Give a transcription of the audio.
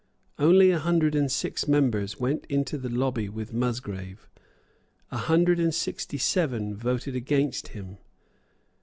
Only a hundred and six members went into the lobby with Musgrave; a hundred and sixty seven voted against him.